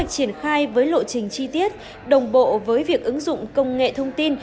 triển khai với lộ trình chi tiết đồng bộ với việc ứng dụng công nghệ thông tin